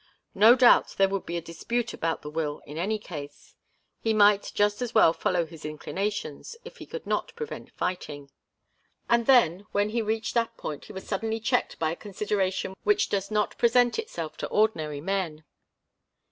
No doubt there would be a dispute about the will in any case he might just as well follow his inclinations, if he could not prevent fighting. And then, when he reached that point, he was suddenly checked by a consideration which does not present itself to ordinary men.